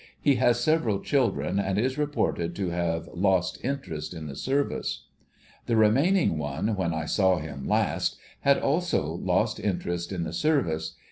He has several children and is reported to have lost interest in the Service. The remaining one, when I saw him last, had also lost interest in the Service.